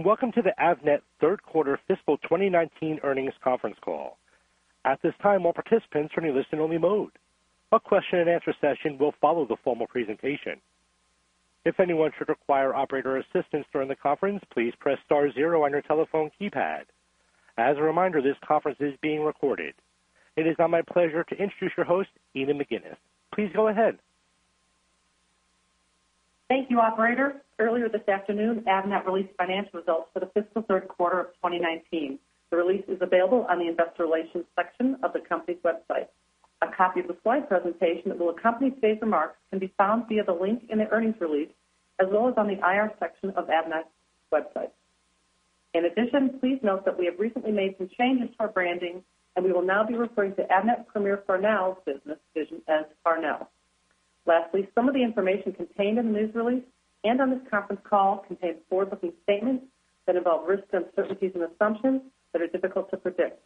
Welcome to the Avnet Third Quarter Fiscal 2019 Earnings Conference Call. At this time, all participants are in a listen-only mode. A question-and-answer session will follow the formal presentation. If anyone should require operator assistance during the conference, please press star zero on your telephone keypad. As a reminder, this conference is being recorded. It is now my pleasure to introduce your host, Ina McGuinness. Please go ahead. Thank you, operator. Earlier this afternoon, Avnet released financial results for the fiscal third quarter of 2019. The release is available on the investor relations section of the company's website. A copy of the slide presentation that will accompany today's remarks can be found via the link in the earnings release, as well as on the IR section of Avnet's website. In addition, please note that we have recently made some changes to our branding, and we will now be referring to Avnet Premier Farnell business division as Farnell. Lastly, some of the information contained in the news release and on this conference call contains forward-looking statements that involve risks, uncertainties, and assumptions that are difficult to predict.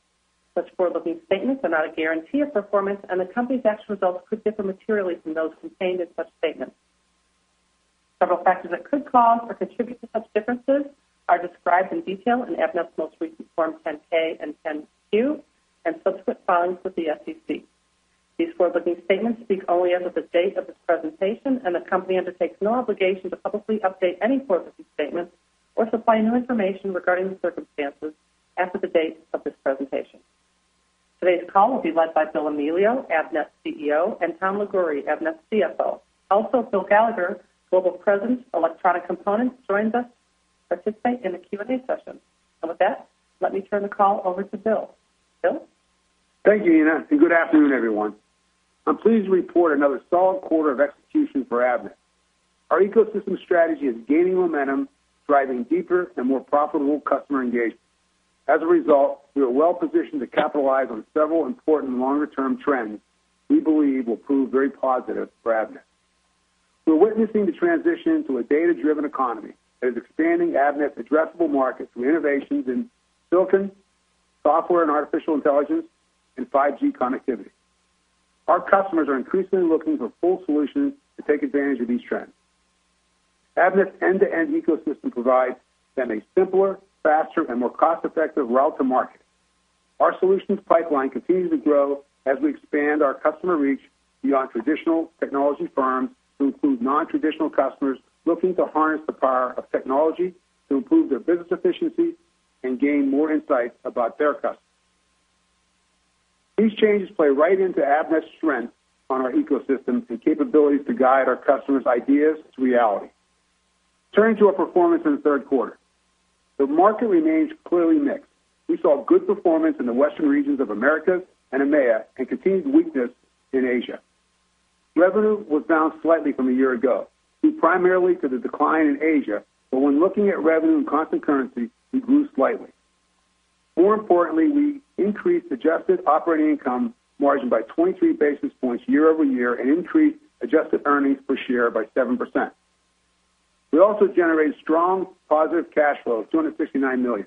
Such forward-looking statements are not a guarantee of performance, and the company's actual results could differ materially from those contained in such statements. Several factors that could cause or contribute to such differences are described in detail in Avnet's most recent Form 10-K and 10-Q and subsequent filings with the SEC. These forward-looking statements speak only as of the date of this presentation, and the company undertakes no obligation to publicly update any forward-looking statements or supply new information regarding the circumstances after the date of this presentation. Today's call will be led by Bill Amelio, Avnet's CEO, and Tom Liguori, Avnet's CFO. Also, Phil Gallagher, Global President, Electronic Components, joins us to participate in the Q&A session. And with that, let me turn the call over to Bill. Bill? Thank you, Ina, and good afternoon, everyone. I'm pleased to report another solid quarter of execution for Avnet. Our ecosystem strategy is gaining momentum, driving deeper and more profitable customer engagement. As a result, we are well positioned to capitalize on several important longer-term trends we believe will prove very positive for Avnet. We're witnessing the transition to a data-driven economy that is expanding Avnet's addressable market through innovations in silicon, software and artificial intelligence, and 5G connectivity. Our customers are increasingly looking for full solutions to take advantage of these trends. Avnet's end-to-end ecosystem provides them a simpler, faster, and more cost-effective route to market. Our solutions pipeline continues to grow as we expand our customer reach beyond traditional technology firms to include non-traditional customers looking to harness the power of technology to improve their business efficiency and gain more insight about their customers. These changes play right into Avnet's strength on our ecosystems and capabilities to guide our customers' ideas to reality. Turning to our performance in the third quarter. The market remains clearly mixed. We saw good performance in the Western regions of Americas and EMEA, and continued weakness in Asia. Revenue was down slightly from a year ago, due primarily to the decline in Asia, but when looking at revenue and constant currency, we grew slightly. More importantly, we increased adjusted operating income margin by 23 basis points year-over-year and increased adjusted earnings per share by 7%. We also generated strong positive cash flow of $269 million.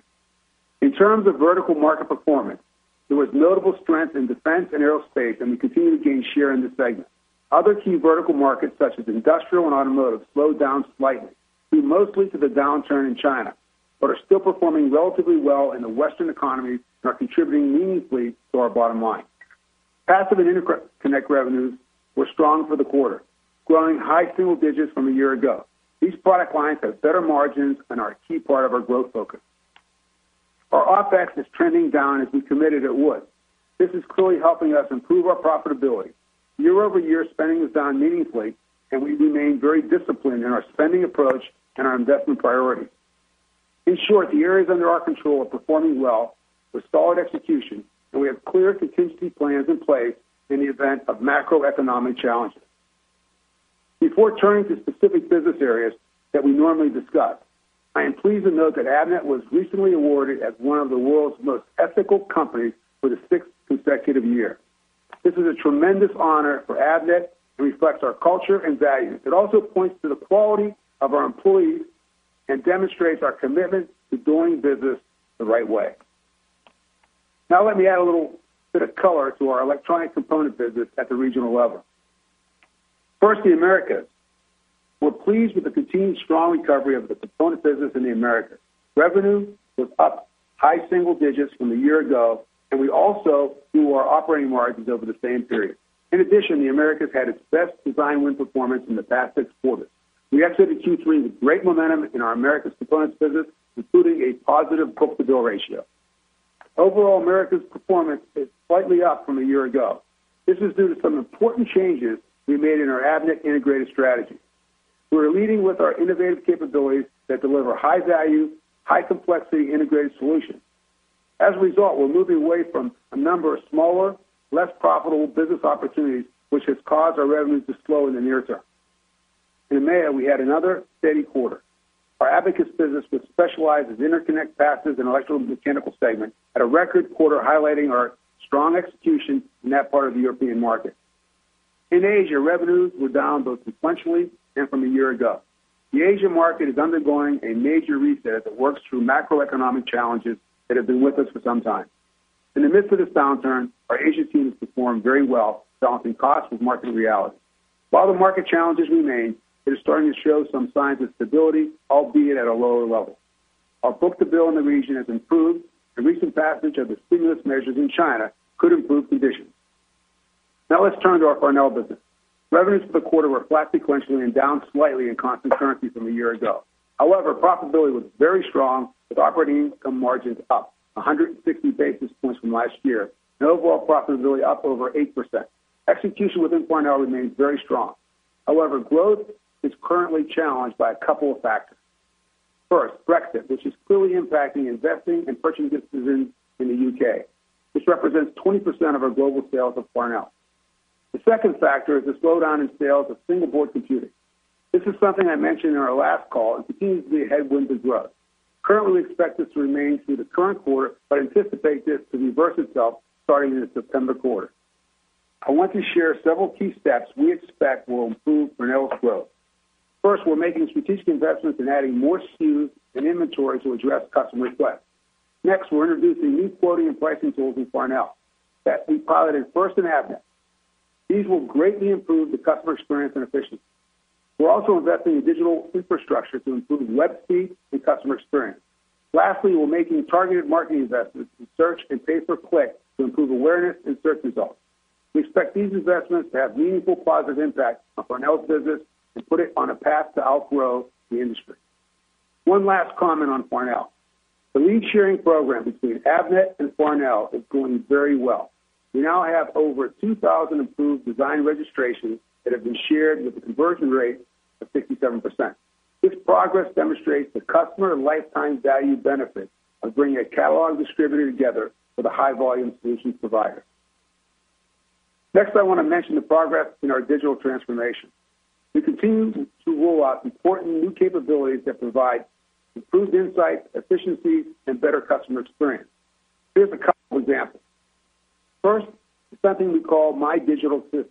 In terms of vertical market performance, there was notable strength in defense and aerospace, and we continued to gain share in this segment. Other key vertical markets, such as industrial and automotive, slowed down slightly, due mostly to the downturn in China, but are still performing relatively well in the Western economies and are contributing meaningfully to our bottom line. Passive and interconnect revenues were strong for the quarter, growing high single digits from a year ago. These product lines have better margins and are a key part of our growth focus. Our OpEx is trending down as we committed it would. This is clearly helping us improve our profitability. Year-over-year, spending is down meaningfully, and we remain very disciplined in our spending approach and our investment priorities. In short, the areas under our control are performing well with solid execution, and we have clear contingency plans in place in the event of macroeconomic challenges. Before turning to specific business areas that we normally discuss, I am pleased to note that Avnet was recently awarded as one of the world's most ethical companies for the sixth consecutive year. This is a tremendous honor for Avnet and reflects our culture and values. It also points to the quality of our employees and demonstrates our commitment to doing business the right way. Now, let me add a little bit of color to our electronic component business at the regional level. First, the Americas. We're pleased with the continued strong recovery of the components business in the Americas. Revenue was up high single digits from a year ago, and we also grew our operating margins over the same period. In addition, the Americas had its best design win performance in the past six quarters. We entered the Q3 with great momentum in our Americas components business, including a positive book-to-bill ratio. Overall, Americas performance is slightly up from a year ago. This is due to some important changes we made in our Avnet Integrated strategy. We're leading with our innovative capabilities that deliver high value, high complexity, integrated solutions. As a result, we're moving away from a number of smaller, less profitable business opportunities, which has caused our revenue to slow in the near term. In EMEA, we had another steady quarter. Our Abacus business, which specializes in interconnect, passive, and electromechanical segment, had a record quarter, highlighting our strong execution in that part of the European market. In Asia, revenues were down both sequentially and from a year ago. The Asia market is undergoing a major reset as it works through macroeconomic challenges that have been with us for some time. In the midst of this downturn, our Asia team has performed very well, balancing costs with market reality. While the market challenges remain, they're starting to show some signs of stability, albeit at a lower level. Our book-to-bill in the region has improved, and recent passage of the stimulus measures in China could improve conditions. Now let's turn to our Farnell business. Revenues for the quarter were flat sequentially and down slightly in constant currency from a year ago. However, profitability was very strong, with operating income margins up 160 basis points from last year, and overall profitability up over 8%. Execution within Farnell remains very strong. However, growth is currently challenged by a couple of factors. First, Brexit, which is clearly impacting investing and purchasing decisions in the U.K. This represents 20% of our global sales of Farnell. The second factor is the slowdown in sales of single-board computing. This is something I mentioned in our last call, and continues to be a headwind to growth. Currently, we expect this to remain through the current quarter, but anticipate this to reverse itself starting in the September quarter. I want to share several key steps we expect will improve Farnell's growth. First, we're making strategic investments in adding more SKUs and inventory to address customer requests. Next, we're introducing new quoting and pricing tools in Farnell that we piloted first in Avnet. These will greatly improve the customer experience and efficiency. We're also investing in digital infrastructure to improve web speed and customer experience. Lastly, we're making targeted marketing investments in search and pay-per-click to improve awareness and search results. We expect these investments to have meaningful positive impact on Farnell's business and put it on a path to outgrow the industry. One last comment on Farnell. The lead sharing program between Avnet and Farnell is going very well. We now have over 2,000 approved design registrations that have been shared, with a conversion rate of 57%. This progress demonstrates the customer lifetime value benefit of bringing a catalog distributor together with a high-volume solution provider. Next, I want to mention the progress in our digital transformation. We continue to roll out important new capabilities that provide improved insights, efficiencies, and better customer experience. Here's a couple of examples. First, something we call My Digital System.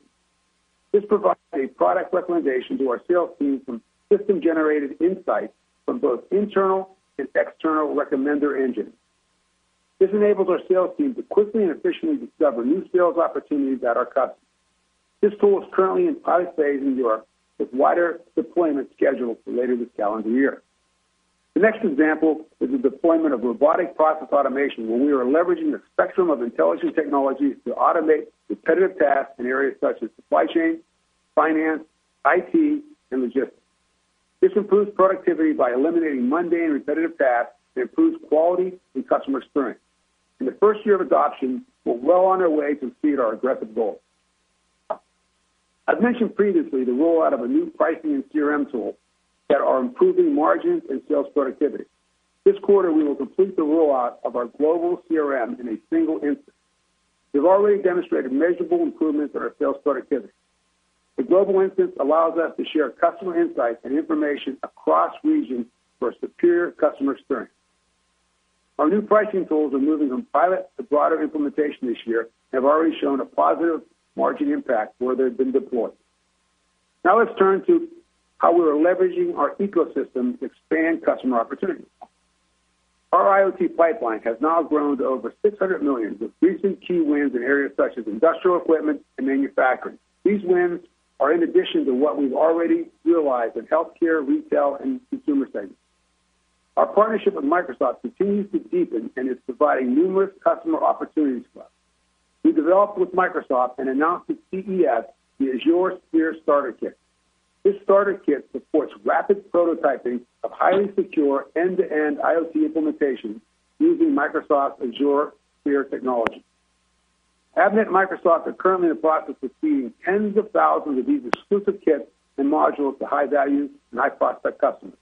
This provides a product recommendation to our sales team from system-generated insights from both internal and external recommender engines. This enables our sales team to quickly and efficiently discover new sales opportunities at our customers. This tool is currently in pilot phase in Europe, with wider deployment scheduled for later this calendar year. The next example is the deployment of robotic process automation, where we are leveraging a spectrum of intelligent technologies to automate repetitive tasks in areas such as supply chain, finance, IT, and logistics. This improves productivity by eliminating mundane, repetitive tasks, and improves quality and customer experience. In the first year of adoption, we're well on our way to exceed our aggressive goal. I've mentioned previously the rollout of a new pricing and CRM tool that are improving margins and sales productivity. This quarter, we will complete the rollout of our global CRM in a single instance. We've already demonstrated measurable improvements in our sales productivity. The global instance allows us to share customer insights and information across regions for a superior customer experience. Our new pricing tools are moving from pilot to broader implementation this year, and have already shown a positive margin impact where they've been deployed. Now, let's turn to how we are leveraging our ecosystem to expand customer opportunities. Our IoT pipeline has now grown to over $600 million, with recent key wins in areas such as industrial equipment and manufacturing. These wins are in addition to what we've already realized in healthcare, retail, and consumer segments. Our partnership with Microsoft continues to deepen and is providing numerous customer opportunities for us. We developed with Microsoft and announced at CES the Azure Sphere Starter Kit. This starter kit supports rapid prototyping of highly secure, end-to-end IoT implementations using Microsoft's Azure Sphere technology. Avnet and Microsoft are currently in the process of seeding tens of thousands of these exclusive kits and modules to high-value and high-process customers.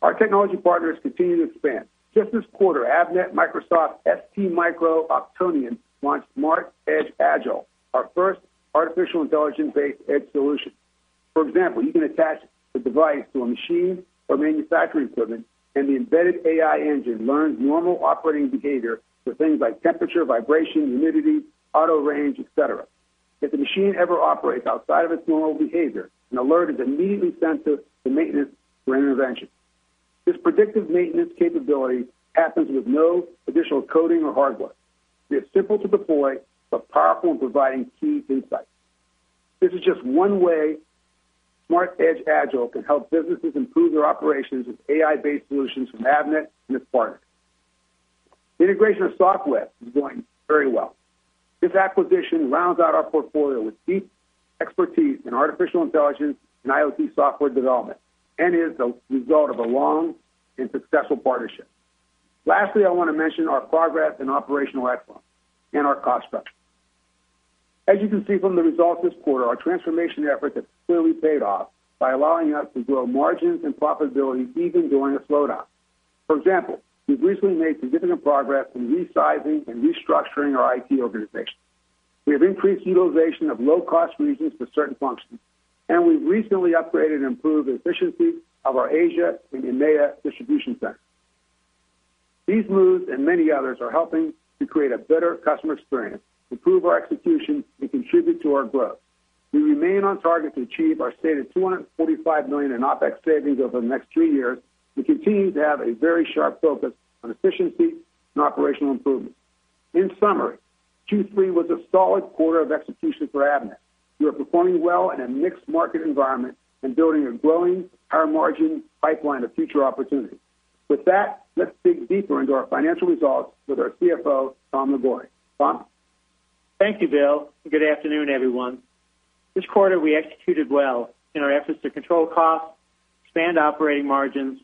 Our technology partners continue to expand. Just this quarter, Avnet, Microsoft, STMicro, Octonion launched SmartEdge Agile, our first artificial intelligence-based edge solution. For example, you can attach the device to a machine or manufacturing equipment, and the embedded AI engine learns normal operating behavior for things like temperature, vibration, humidity, auto range, et cetera. If the machine ever operates outside of its normal behavior, an alert is immediately sent to the maintenance for intervention. This predictive maintenance capability happens with no additional coding or hardware. It's simple to deploy, but powerful in providing key insights. This is just one way SmartEdge Agile can help businesses improve their operations with AI-based solutions from Avnet and its partners. The integration of Softweb is going very well. This acquisition rounds out our portfolio with deep expertise in artificial intelligence and IoT software development, and is the result of a long and successful partnership. Lastly, I want to mention our progress in operational excellence and our cost structure. As you can see from the results this quarter, our transformation efforts have clearly paid off by allowing us to grow margins and profitability even during a slowdown. For example, we've recently made significant progress in resizing and restructuring our IT organization. We have increased utilization of low-cost regions for certain functions, and we've recently upgraded and improved the efficiency of our Asia and EMEA distribution centers. These moves and many others are helping to create a better customer experience, improve our execution, and contribute to our growth. We remain on target to achieve our stated $245 million in OpEx savings over the next three years. We continue to have a very sharp focus on efficiency and operational improvement. In summary, Q3 was a solid quarter of execution for Avnet. We are performing well in a mixed market environment and building a growing higher margin pipeline of future opportunities. With that, let's dig deeper into our financial results with our CFO, Tom Liguori. Tom? Thank you, Bill, and good afternoon, everyone. This quarter, we executed well in our efforts to control costs, expand operating margins,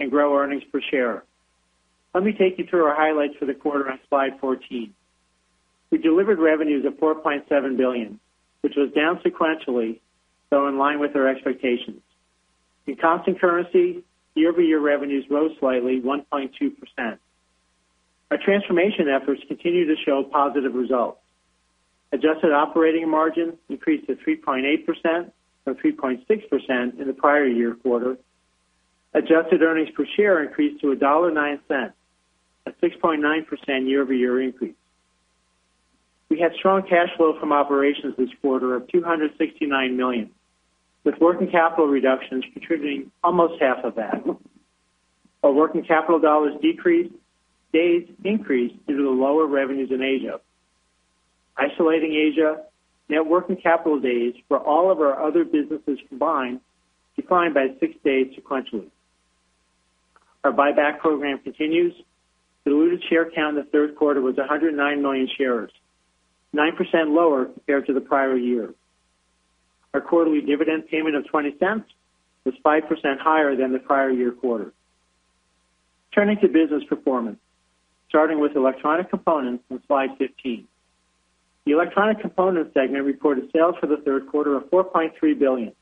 and grow earnings per share. Let me take you through our highlights for the quarter on slide 14. We delivered revenues of $4.7 billion, which was down sequentially, though in line with our expectations. In constant currency, year-over-year revenues rose slightly 1.2%. Our transformation efforts continue to show positive results. Adjusted operating margin increased to 3.8% from 3.6% in the prior year quarter. Adjusted earnings per share increased to $1.09, a 6.9% year-over-year increase. We had strong cash flow from operations this quarter of $269 million, with working capital reductions contributing almost half of that. Our working capital dollars decreased, days increased due to the lower revenues in Asia. Isolating Asia, net working capital days for all of our other businesses combined declined by six days sequentially. Our buyback program continues. Diluted share count in the third quarter was 109 million shares, 9% lower compared to the prior year. Our quarterly dividend payment of $0.20 was 5% higher than the prior year quarter. Turning to business performance, starting with Electronic Components on slide 15. The Electronic Components segment reported sales for the third quarter of $4.3 billion.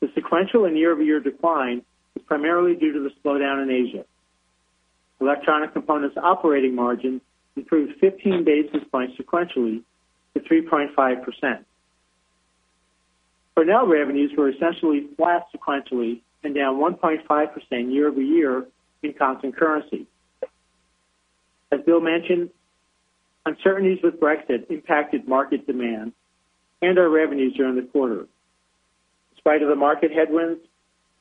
The sequential and year-over-year decline was primarily due to the slowdown in Asia. Electronic Components operating margin improved 15 basis points sequentially to 3.5%. Farnell revenues were essentially flat sequentially and down 1.5% year-over-year in constant currency. As Bill mentioned, uncertainties with Brexit impacted market demand and our revenues during the quarter. In spite of the market headwinds,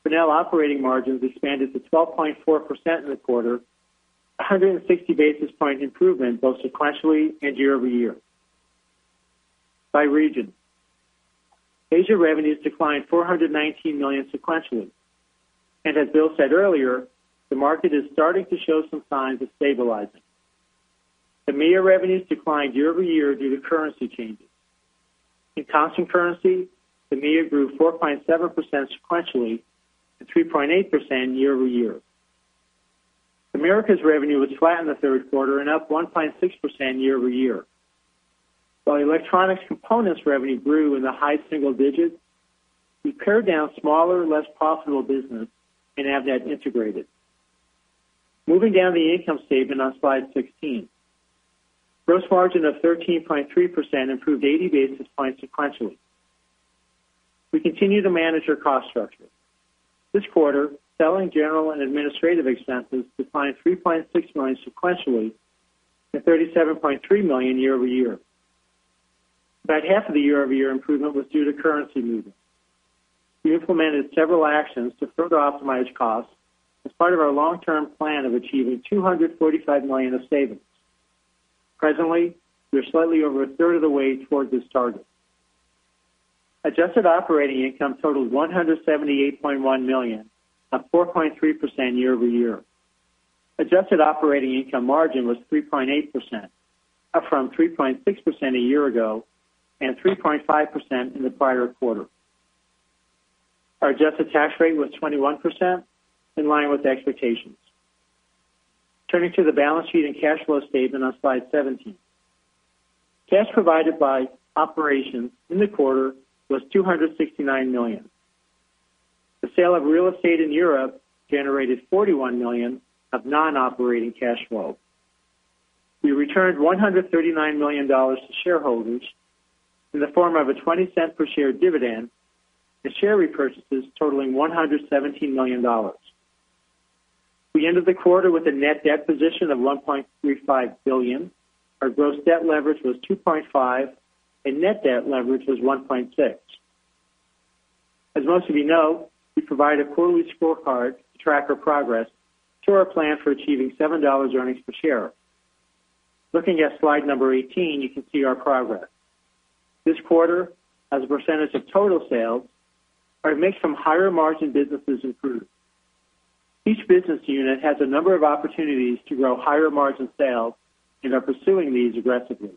Farnell operating margins expanded to 12.4% in the quarter, a 160 basis point improvement both sequentially and year-over-year. By region, Asia revenues declined $419 million sequentially, and as Bill said earlier, the market is starting to show some signs of stabilizing. EMEA revenues declined year-over-year due to currency changes. In constant currency, EMEA grew 4.7% sequentially and 3.8% year-over-year. Americas revenue was flat in the third quarter and up 1.6% year-over-year. While electronics components revenue grew in the high single digits, we pared down smaller, less profitable business in Avnet Integrated. Moving down the income statement on slide 16. Gross margin of 13.3% improved 80 basis points sequentially. We continue to manage our cost structure. This quarter, selling, general, and administrative expenses declined $3.6 million sequentially and $37.3 million year-over-year. About half of the year-over-year improvement was due to currency movement. We implemented several actions to further optimize costs as part of our long-term plan of achieving $245 million of savings. Presently, we're slightly over a third of the way towards this target. Adjusted operating income totaled $178.1 million, up 4.3% year-over-year. Adjusted operating income margin was 3.8%, up from 3.6% a year ago and 3.5% in the prior quarter. Our adjusted tax rate was 21%, in line with expectations. Turning to the balance sheet and cash flow statement on slide 17. Cash provided by operations in the quarter was $269 million. The sale of real estate in Europe generated $41 million of non-operating cash flow. We returned $139 million to shareholders in the form of a $0.20 per share dividend and share repurchases totaling $117 million. We ended the quarter with a net debt position of $1.35 billion. Our gross debt leverage was 2.5, and net debt leverage was 1.6. As most of you know, we provide a quarterly scorecard to track our progress to our plan for achieving $7 earnings per share. Looking at slide 18, you can see our progress. This quarter, as a percentage of total sales, our mix from higher margin businesses improved. Each business unit has a number of opportunities to grow higher margin sales and are pursuing these aggressively.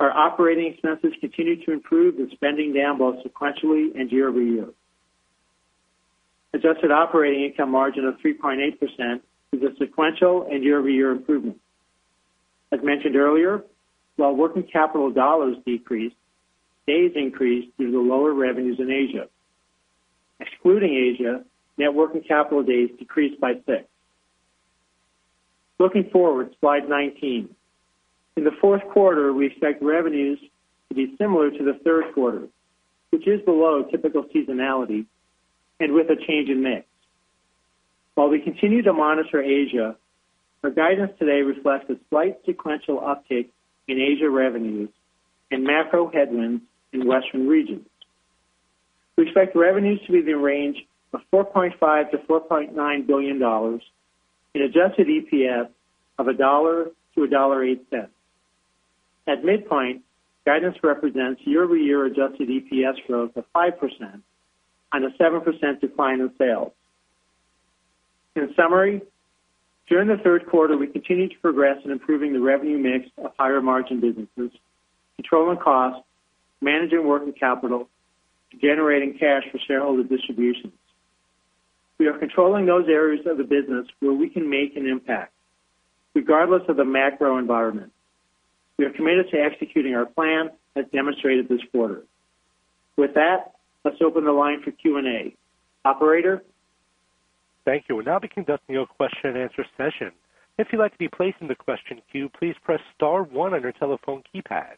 Our operating expenses continued to improve with spending down both sequentially and year-over-year. Adjusted operating income margin of 3.8% is a sequential and year-over-year improvement. As mentioned earlier, while working capital dollars decreased, days increased due to the lower revenues in Asia. Excluding Asia, net working capital days decreased by six. Looking forward, slide 19. In the fourth quarter, we expect revenues to be similar to the third quarter, which is below typical seasonality and with a change in mix. While we continue to monitor Asia, our guidance today reflects a slight sequential uptick in Asia revenues and macro headwinds in Western regions. We expect revenues to be in the range of $4.5 billion-$4.9 billion, an adjusted EPS of $1.00-$1.08. At midpoint, guidance represents year-over-year adjusted EPS growth of 5% on a 7% decline in sales. In summary, during the third quarter, we continued to progress in improving the revenue mix of higher margin businesses, controlling costs, managing working capital, and generating cash for shareholder distributions. We are controlling those areas of the business where we can make an impact, regardless of the macro environment. We are committed to executing our plan as demonstrated this quarter. With that, let's open the line for Q&A. Operator? Thank you. We'll now be conducting your question-and-answer session. If you'd like to be placed in the question queue, please press star one on your telephone keypad.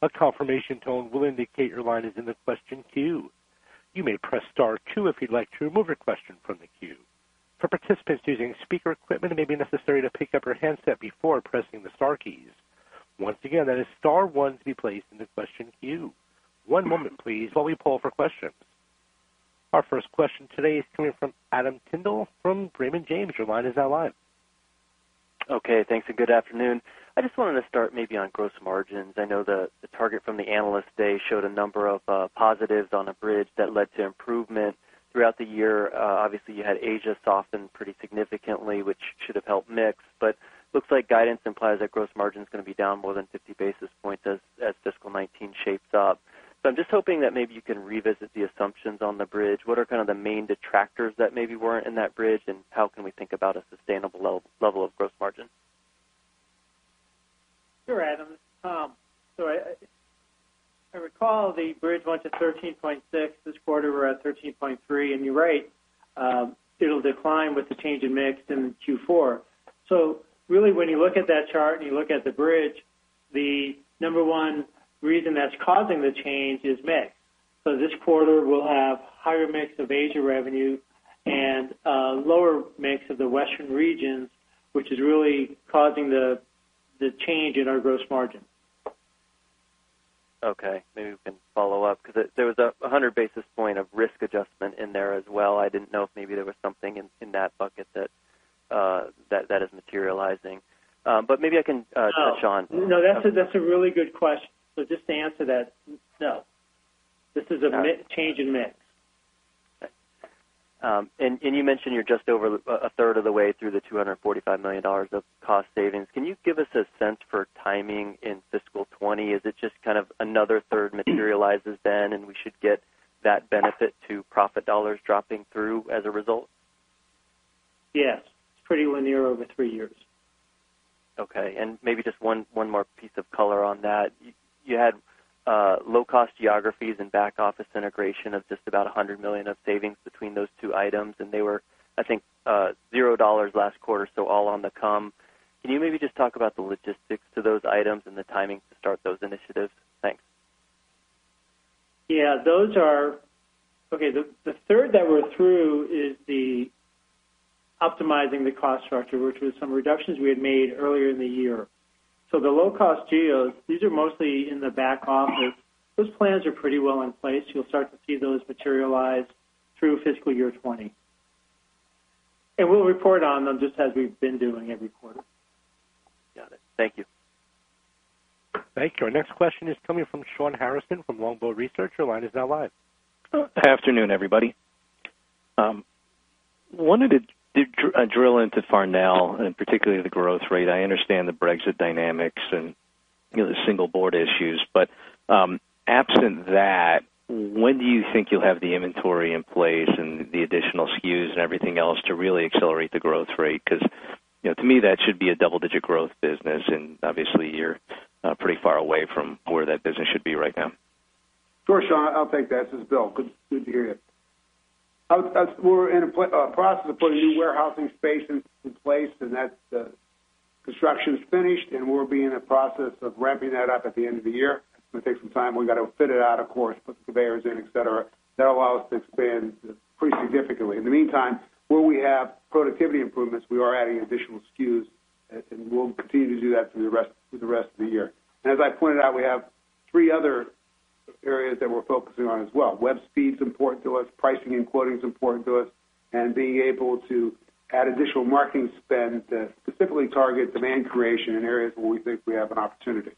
A confirmation tone will indicate your line is in the question queue. You may press star two if you'd like to remove your question from the queue. For participants using speaker equipment, it may be necessary to pick up your handset before pressing the star keys. Once again, that is star one to be placed in the question queue. One moment, please, while we poll for questions. Our first question today is coming from Adam Tindle from Raymond James. Your line is now live. Okay, thanks, and good afternoon. I just wanted to start maybe on gross margins. I know the target from the Analyst Day showed a number of positives on a bridge that led to improvement throughout the year. Obviously, you had Asia soften pretty significantly, which should have helped mix, but looks like guidance implies that gross margin is going to be down more than 50 basis points as fiscal 2019 shapes up. So I'm just hoping that maybe you can revisit the assumptions on the bridge. What are kind of the main detractors that maybe weren't in that bridge, and how can we think about a sustainable level of gross margin? Sure, Adam. So I recall the bridge went to 13.6. This quarter, we're at 13.3, and you're right, it'll decline with the change in mix in Q4. So really, when you look at that chart and you look at the bridge, the number one reason that's causing the change is mix. So this quarter, we'll have higher mix of Asia revenue and lower mix of the Western regions, which is really causing the change in our gross margin. Okay, maybe we can follow up, because there was 100 basis points of risk adjustment in there as well. I didn't know if maybe there was something in that bucket that is materializing. But maybe I can touch on- No, that's a really good question. So just to answer that, no, this is a change in mix. You mentioned you're just over a third of the way through the $245 million of cost savings. Can you give us a sense for timing in fiscal 2020? Is it just kind of another third materializes then, and we should get that benefit to profit dollars dropping through as a result? Yes, it's pretty linear over three years. Okay, and maybe just one, one more piece of color on that. You had low-cost geographies and back-office integration of just about $100 million of savings between those two items, and they were, I think, $0 last quarter, so all on the come. Can you maybe just talk about the logistics to those items and the timing to start those initiatives? Thanks. Yeah, those are... Okay, the third that we're through is optimizing the cost structure, which was some reductions we had made earlier in the year. So the low-cost geos, these are mostly in the back office. Those plans are pretty well in place. You'll start to see those materialize through fiscal year 20. And we'll report on them just as we've been doing every quarter. Got it. Thank you. Thank you. Our next question is coming from Shawn Harrison from Longbow Research. Your line is now live. Good afternoon, everybody. Wanted to drill into Farnell and particularly the growth rate. I understand the Brexit dynamics and, you know, the single board issues. But absent that, when do you think you'll have the inventory in place and the additional SKUs and everything else to really accelerate the growth rate? Because, you know, to me, that should be a double-digit growth business, and obviously you're pretty far away from where that business should be right now. Sure, Sean, I'll take that. This is Bill. Good, good to hear you. We're in a process of putting new warehousing space in place, and that's the construction is finished, and we'll be in the process of ramping that up at the end of the year. It's going to take some time. We got to fit it out, of course, put the conveyors in, et cetera. That'll allow us to expand pretty significantly. In the meantime, where we have productivity improvements, we are adding additional SKUs, and we'll continue to do that through the rest, through the rest of the year. As I pointed out, we have three other areas that we're focusing on as well. Web speed is important to us, pricing and quoting is important to us, and being able to add additional marketing spend to specifically target demand creation in areas where we think we have an opportunity.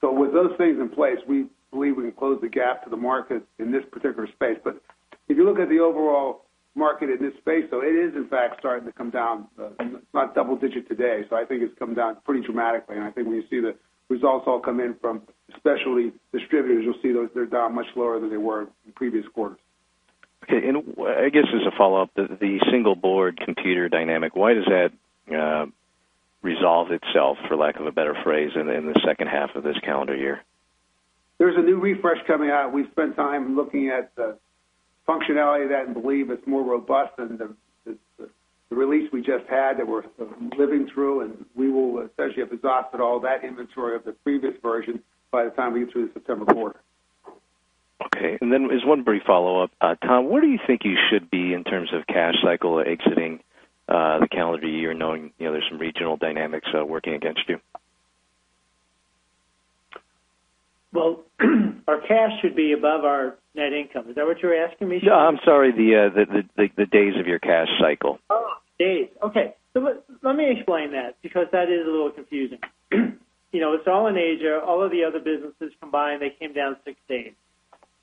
So with those things in place, we believe we can close the gap to the market in this particular space. But if you look at the overall market in this space, though, it is in fact starting to come down, not double digit today. So I think it's come down pretty dramatically, and I think when you see the results all come in from especially distributors, you'll see those, they're down much lower than they were in previous quarters. Okay, and I guess as a follow-up, the single-board computer dynamic, why does that resolve itself, for lack of a better phrase, in the second half of this calendar year? There's a new refresh coming out. We've spent time looking at the functionality of that and believe it's more robust than the release we just had that we're living through, and we will essentially have exhausted all that inventory of the previous version by the time we get through the September quarter. Okay, and then as one brief follow-up, Tom, where do you think you should be in terms of cash cycle exiting the calendar year, knowing, you know, there's some regional dynamics working against you? Well, our cash should be above our net income. Is that what you were asking me? Yeah, I'm sorry, the days of your cash cycle. Oh, days. Okay. So let me explain that, because that is a little confusing. You know, it's all in Asia. All of the other businesses combined, they came down 6 days.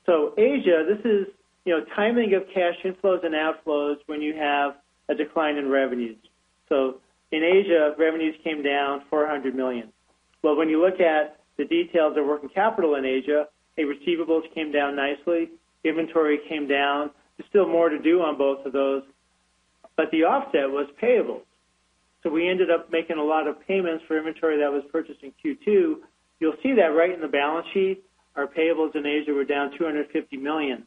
So Asia, this is, you know, timing of cash inflows and outflows when you have a decline in revenues. So in Asia, revenues came down $400 million. Well, when you look at the details of working capital in Asia, the receivables came down nicely, inventory came down. There's still more to do on both of those, but the offset was payables. So we ended up making a lot of payments for inventory that was purchased in Q2. You'll see that right in the balance sheet. Our payables in Asia were down $250 million,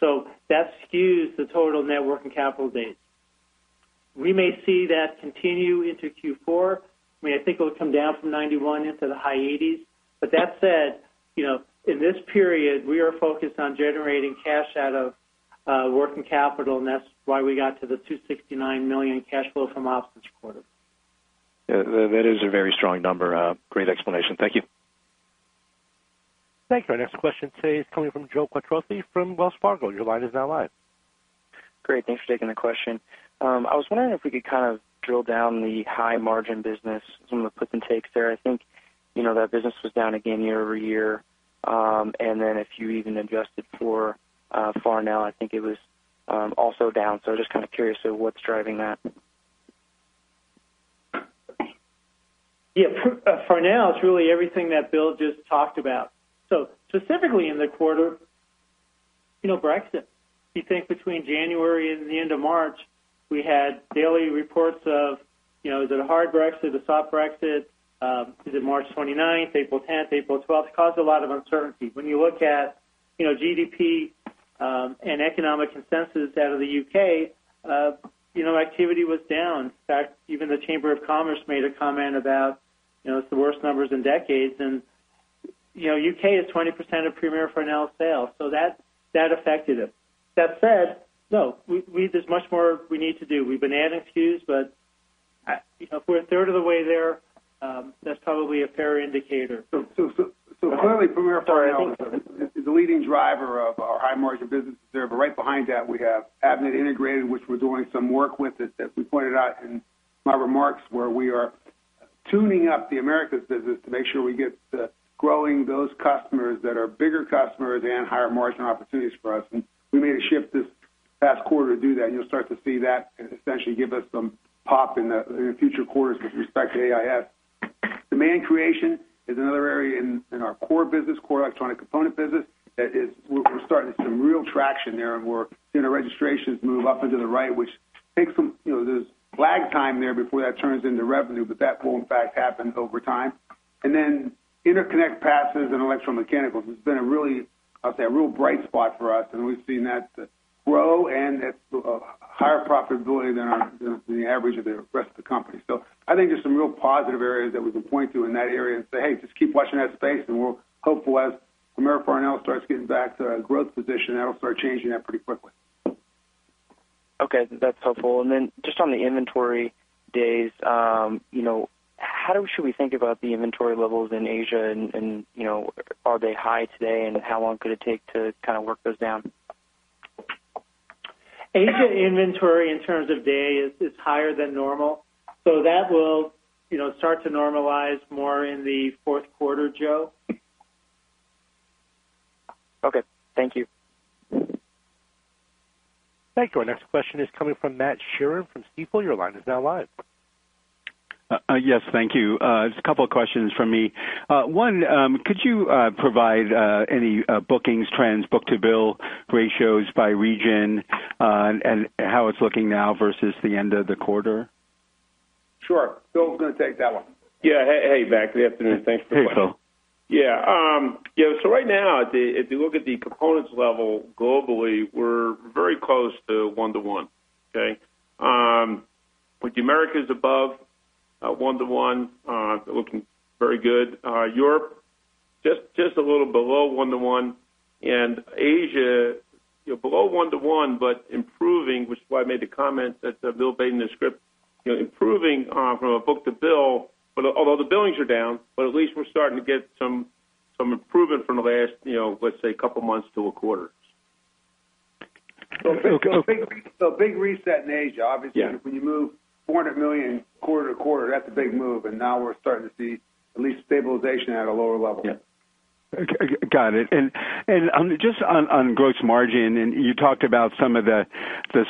so that skews the total net working capital days. We may see that continue into Q4. I mean, I think it'll come down from 91 into the high 80s. But that said, you know, in this period, we are focused on generating cash out of working capital, and that's why we got to the $269 million cash flow from ops this quarter. Yeah, that, that is a very strong number. Great explanation. Thank you. Thank you. Our next question today is coming from Joe Quatrochi from Wells Fargo. Your line is now live. Great, thanks for taking the question. I was wondering if we could kind of drill down the high margin business, some of the puts and takes there. I think, you know, that business was down again year over year. And then if you even adjusted for, Farnell, I think it was, also down. So just kind of curious of what's driving that? Yeah, Farnell, it's really everything that Bill just talked about. So specifically in the quarter, you know, Brexit, you think between January and the end of March, we had daily reports of, you know, is it a hard Brexit, is it a soft Brexit? Is it March 29th, April 10th, April 12th? Caused a lot of uncertainty. When you look at, you know, GDP and economic consensus out of the U.K., you know, activity was down. In fact, even the Chamber of Commerce made a comment about, you know, it's the worst numbers in decades, and, you know, U.K. is 20% of Premier Farnell sales, so that, that affected us. That said, no, we-- there's much more we need to do. We've been adding SKUs, but I-- if we're a third of the way there, that's probably a fair indicator. So clearly, Premier Farnell is the leading driver of our high margin businesses there, but right behind that, we have Avnet Integrated, which we're doing some work with it, that we pointed out in my remarks, where we are tuning up the Americas business to make sure we get growing those customers that are bigger customers and higher margin opportunities for us. And we made a shift this past quarter to do that, and you'll start to see that and essentially give us some pop in the future quarters with respect to AIS. Demand creation is another area in our core electronic component business that is, we're starting some real traction there, and we're seeing the registrations move up into the right, which takes some... You know, there's lag time there before that turns into revenue, but that will in fact happen over time. And then interconnect, passive, and electromechanical, it's been a really, I'd say, a real bright spot for us, and we've seen that grow and at higher profitability than our, than the average of the rest of the company. So I think there's some real positive areas that we can point to in that area and say, "Hey, just keep watching that space, and we're hopeful as Premier Farnell starts getting back to our growth position, that'll start changing that pretty quickly. Okay, that's helpful. Then just on the inventory days, you know, how should we think about the inventory levels in Asia and, you know, are they high today, and how long could it take to kind of work those down? Asia inventory in terms of days is higher than normal, so that will, you know, start to normalize more in the fourth quarter, Joe. Okay, thank you. Thank you. Our next question is coming from Matt Sheerin from Stifel. Your line is now live. Yes, thank you. Just a couple of questions from me. One, could you provide any bookings trends, book-to-bill ratios by region, and how it's looking now versus the end of the quarter? Sure. Phil's gonna take that one. Yeah. Hey, hey, Matt, good afternoon. Thanks for the question. Hey, Phil. So right now, if you look at the components level globally, we're very close to 1-to-1, okay? With the Americas above 1-to-1, looking very good. Europe, just a little below 1-to-1, and Asia, you know, below 1-to-1, but improving, which is why I made the comment that Bill made in the script, you know, improving from a book-to-bill. But although the billings are down, but at least we're starting to get some improvement from the last, you know, let's say, couple months to a quarter. Okay. Big reset in Asia. Yeah. Obviously, when you move $400 million quarter to quarter, that's a big move, and now we're starting to see at least stabilization at a lower level. Yeah. Got it. Just on gross margin, and you talked about some of the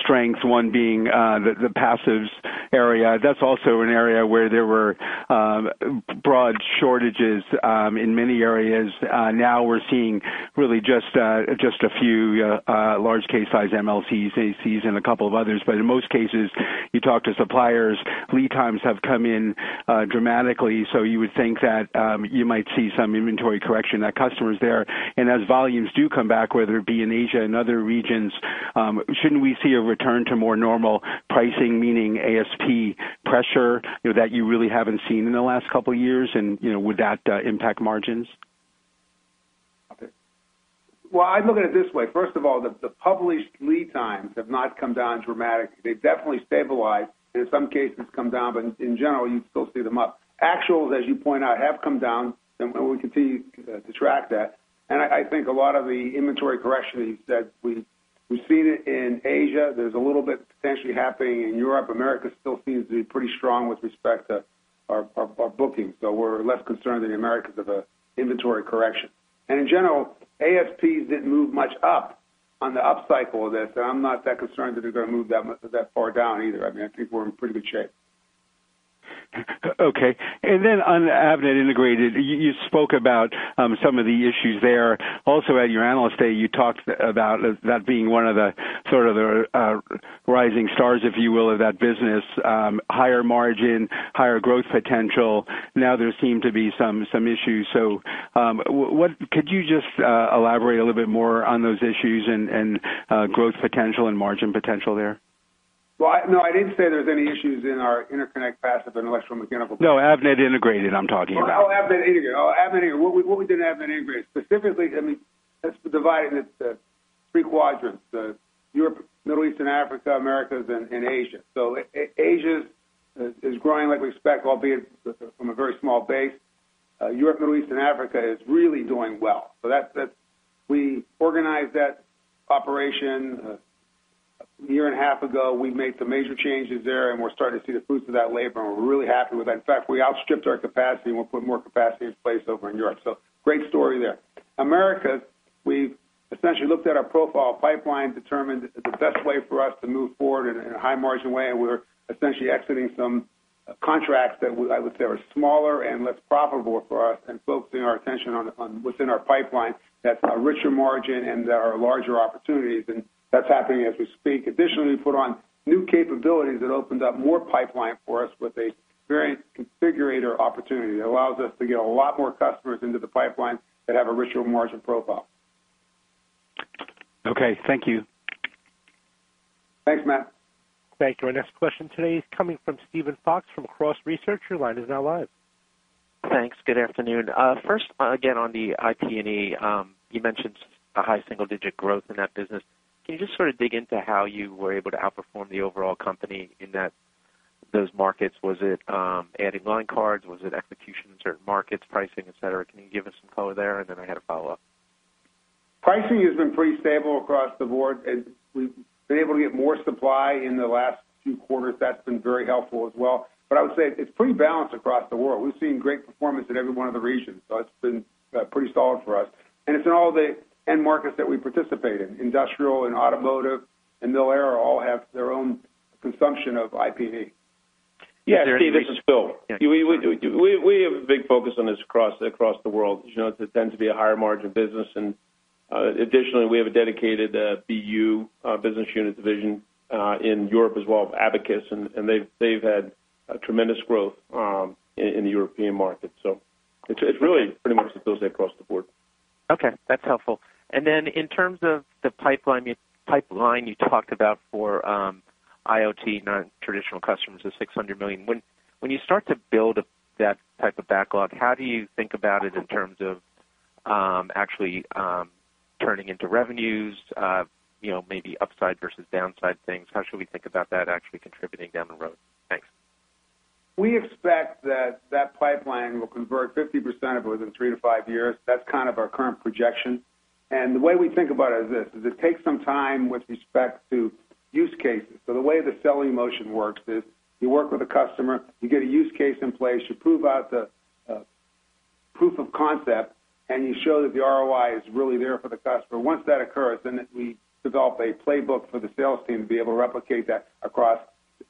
strengths, one being the passives area. That's also an area where there were broad shortages in many areas. Now we're seeing really just a few large case size MLCCs, ACs, and a couple of others. But in most cases, you talk to suppliers, lead times have come in dramatically, so you would think that you might see some inventory correction that customers there. And as volumes do come back, whether it be in Asia and other regions, shouldn't we see a return to more normal pricing, meaning ASP pressure, you know, that you really haven't seen in the last couple of years? And, you know, would that impact margins? Well, I look at it this way. First of all, the published lead times have not come down dramatically. They've definitely stabilized, in some cases come down, but in general, you still see them up. Actuals, as you point out, have come down, and we continue to track that. And I think a lot of the inventory correction that you said, we've seen it in Asia. There's a little bit potentially happening in Europe. America still seems to be pretty strong with respect to our bookings. So we're less concerned than the Americans of an inventory correction. And in general, ASPs didn't move much up on the upcycle of this, so I'm not that concerned that they're going to move that much or that far down either. I mean, I think we're in pretty good shape. Okay. And then on Avnet Integrated, you spoke about some of the issues there. Also, at your Analyst Day, you talked about that being one of the, sort of the, rising stars, if you will, of that business, higher margin, higher growth potential. Now there seem to be some issues. So, what could you just elaborate a little bit more on those issues and growth potential and margin potential there? Well, no, I didn't say there was any issues in our interconnect, passive, and electromechanical. No, Avnet Integrated, I'm talking about. Oh, Avnet Integrated. Oh, Avnet Integrated. What we did in Avnet Integrated, specifically, I mean, let's divide it into three quadrants, the Europe, Middle East, and Africa, Americas, and Asia. So Asia is growing like we expect, albeit from a very small base. Europe, Middle East, and Africa is really doing well. So that's. We organized that operation a year and a half ago. We made some major changes there, and we're starting to see the fruits of that labor, and we're really happy with that. In fact, we outstripped our capacity, and we'll put more capacity in place over in Europe. So great story there. Americas, we've essentially looked at our profile pipeline, determined the best way for us to move forward in a high-margin way, and we're essentially exiting some contracts that I would say are smaller and less profitable for us and focusing our attention on what's in our pipeline that are richer margin and that are larger opportunities, and that's happening as we speak. Additionally, we put on new capabilities that opened up more pipeline for us with a variant configurator opportunity that allows us to get a lot more customers into the pipeline that have a richer margin profile. Okay, thank you. Thanks, Matt. Thank you. Our next question today is coming from Steven Fox from Cross Research. Your line is now live. Thanks. Good afternoon. First, again, on the IP&E, you mentioned a high single-digit growth in that business. Can you just sort of dig into how you were able to outperform the overall company in those markets? Was it adding line cards? Was it execution in certain markets, pricing, et cetera? Can you give us some color there? And then I had a follow-up. Pricing has been pretty stable across the board, and we've been able to get more supply in the last few quarters. That's been very helpful as well. But I would say it's pretty balanced across the world. We've seen great performance in every one of the regions, so it's been pretty solid for us. And it's in all the end markets that we participate in. Industrial and automotive and mil-aero all have their own consumption of IP&E. Yeah, Steve, this is Phil. We have a big focus on this across the world. You know, it tends to be a higher margin business, and additionally, we have a dedicated BU business unit division in Europe as well, Abacus, and they've had a tremendous growth in the European market. So it's really pretty much the same across the board. Okay, that's helpful. And then in terms of the pipeline you talked about for IoT, non-traditional customers, the $600 million. When you start to build up that type of backlog, how do you think about it in terms of actually turning into revenues, you know, maybe upside versus downside things? How should we think about that actually contributing down the road? Thanks. We expect that that pipeline will convert 50% of it within three to five years. That's kind of our current projection. The way we think about it is this, is it takes some time with respect to use cases. The way the selling motion works is you work with a customer, you get a use case in place, you prove out the proof of concept, and you show that the ROI is really there for the customer. Once that occurs, then we develop a playbook for the sales team to be able to replicate that across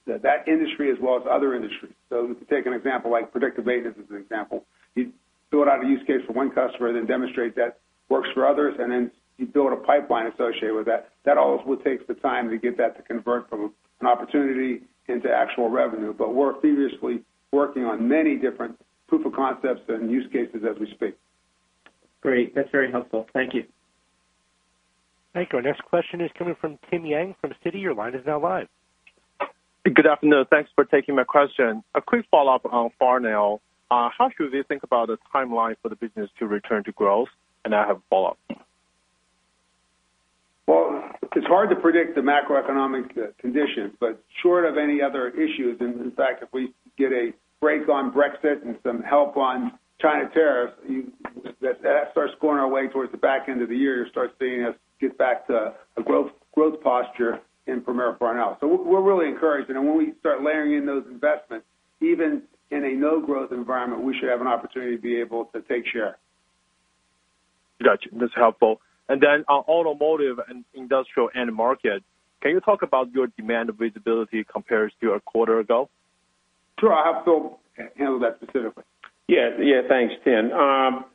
that industry as well as other industries. To take an example, like predictive maintenance is an example. You build out a use case for one customer, then demonstrate that works for others, and then you build a pipeline associated with that. That always takes the time to get that to convert from an opportunity into actual revenue, but we're furiously working on many different proof of concepts and use cases as we speak. Great. That's very helpful. Thank you. Thank you. Our next question is coming from Tim Yang from Citi. Your line is now live. Good afternoon. Thanks for taking my question. A quick follow-up on Farnell. How should we think about the timeline for the business to return to growth? And I have a follow-up. Well, it's hard to predict the macroeconomic conditions, but short of any other issues, and in fact, if we get a break on Brexit and some help on China tariffs, that starts going our way toward the back end of the year, you'll start seeing us get back to a growth, growth posture in Premier Farnell. So we're really encouraged, and when we start layering in those investments, even in a no-growth environment, we should have an opportunity to be able to take share. Got you. That's helpful. And then on automotive and industrial end market, can you talk about your demand visibility compared to a quarter ago? Sure. I'll have Phil handle that specifically. Yeah. Yeah, thanks, Tim.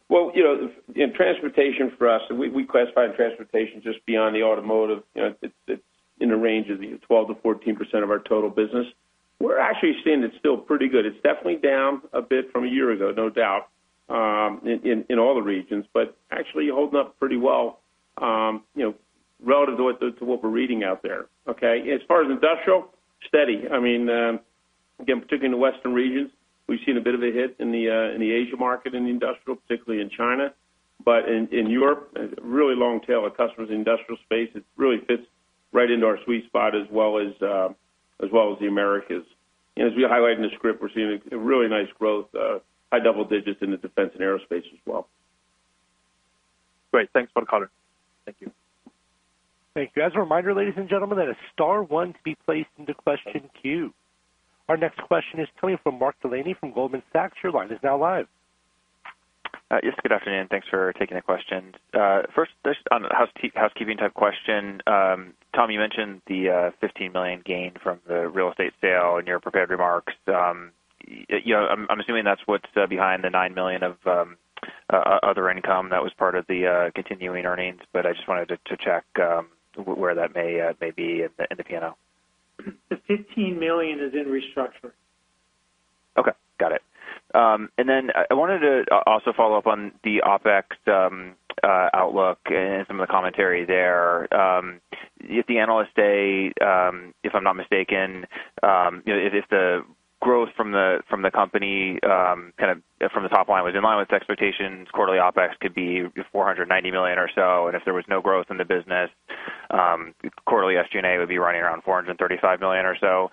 Well, you know, in transportation for us, we classify transportation just beyond the automotive. You know, it's in the range of 12%-14% of our total business. We're actually seeing it's still pretty good. It's definitely down a bit from a year ago, no doubt, in all the regions, but actually holding up pretty well, you know, relative to what we're reading out there, okay? As far as industrial, steady. I mean... Again, particularly in the Western regions, we've seen a bit of a hit in the Asia market, in the industrial, particularly in China. But in Europe, really long tail of customers in industrial space, it really fits right into our sweet spot as well as the Americas. And as we highlight in the script, we're seeing a really nice growth, high double digits in the defense and aerospace as well. Great. Thanks for the color. Thank you. Thank you. As a reminder, ladies and gentlemen, that is star one to be placed into question queue. Our next question is coming from Mark Delaney from Goldman Sachs. Your line is now live. Yes, good afternoon. Thanks for taking the question. First, just on the housekeeping type question. Tom, you mentioned the $15 million gain from the real estate sale in your prepared remarks. You know, I'm assuming that's what's behind the $9 million of other income that was part of the continuing earnings, but I just wanted to check where that may be in the P&L. The $15 million is in restructure. Okay, got it. And then I wanted to also follow up on the OpEx outlook and some of the commentary there. If the analyst day, if I'm not mistaken, if the growth from the company kind of from the top line was in line with expectations, quarterly OpEx could be $490 million or so, and if there was no growth in the business, quarterly SG&A would be running around $435 million or so.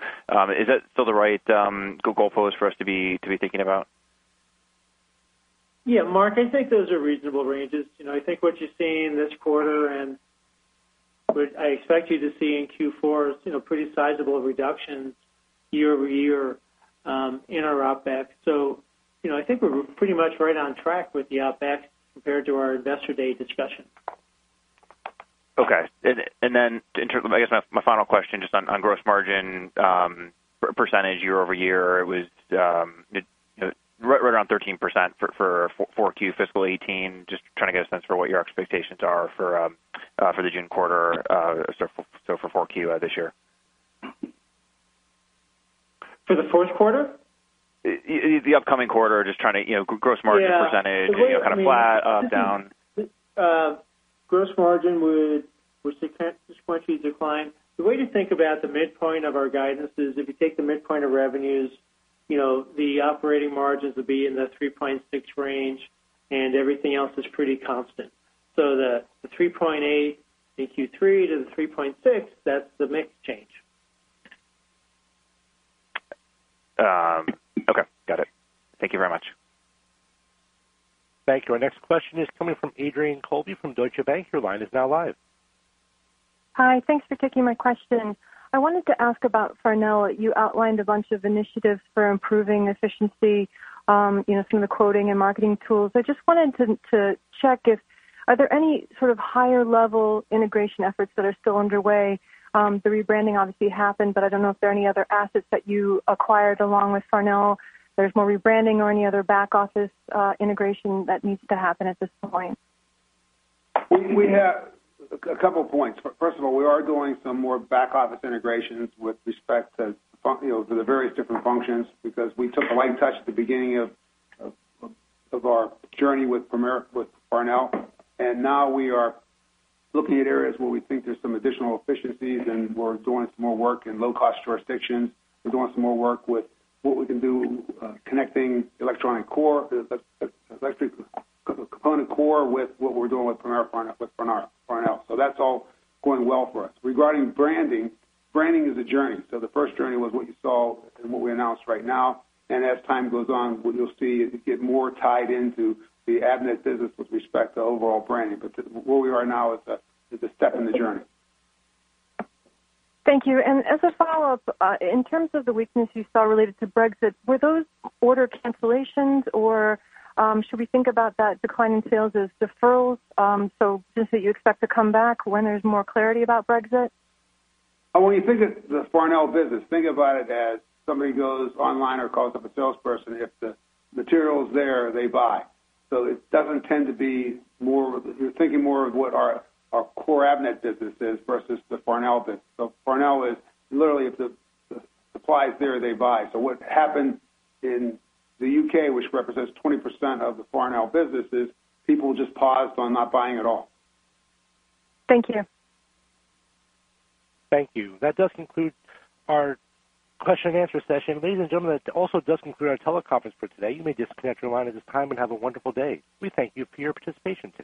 Is that still the right goalpost for us to be thinking about? Yeah, Mark, I think those are reasonable ranges. You know, I think what you're seeing this quarter, and what I expect you to see in Q4 is, you know, pretty sizable reductions year-over-year in our OpEx. So, you know, I think we're pretty much right on track with the OpEx compared to our Investor Day discussion. Okay. And then, I guess my final question, just on gross margin percentage year-over-year, it was right around 13% for 4Q fiscal 2018. Just trying to get a sense for what your expectations are for the June quarter, so for 4Q this year. For the fourth quarter? The upcoming quarter, just trying to, you know, gross margin percentage, kind of flat, up, down. Gross margin would sequentially decline. The way to think about the midpoint of our guidance is if you take the midpoint of revenues, you know, the operating margins would be in the 3.6 range, and everything else is pretty constant. So the 3.8 in Q3 to the 3.6, that's the mix change. Okay, got it. Thank you very much. Thank you. Our next question is coming from Adrienne Colby from Deutsche Bank. Your line is now live. Hi, thanks for taking my question. I wanted to ask about Farnell. You outlined a bunch of initiatives for improving efficiency, you know, some of the quoting and marketing tools. I just wanted to check if are there any sort of higher level integration efforts that are still underway? The rebranding obviously happened, but I don't know if there are any other assets that you acquired along with Farnell. There's more rebranding or any other back-office integration that needs to happen at this point. We have a couple of points. First of all, we are doing some more back-office integrations with respect to, you know, the various different functions, because we took a light touch at the beginning of our journey with Premier Farnell, and now we are looking at areas where we think there's some additional efficiencies, and we're doing some more work in low-cost jurisdictions. We're doing some more work with what we can do, connecting electronic core, electronic component core, with what we're doing with Premier Farnell. So that's all going well for us. Regarding branding, branding is a journey. So the first journey was what you saw and what we announced right now, and as time goes on, you'll see it get more tied into the Avnet business with respect to overall branding. But where we are now is a step in the journey. Thank you. And as a follow-up, in terms of the weakness you saw related to Brexit, were those order cancellations, or, should we think about that decline in sales as deferrals? So, do you expect it to come back when there's more clarity about Brexit? When you think of the Farnell business, think about it as somebody goes online or calls up a salesperson. If the material is there, they buy. So it doesn't tend to be more. You're thinking more of what our core Avnet business is versus the Farnell business. So Farnell is literally, if the supply is there, they buy. So what happened in the U.K., which represents 20% of the Farnell business, is people just paused on not buying at all. Thank you. Thank you. That does conclude our question and answer session. Ladies and gentlemen, it also does conclude our teleconference for today. You may disconnect your line at this time and have a wonderful day. We thank you for your participation.